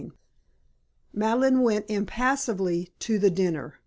IX Madeline went impassively to the dinner.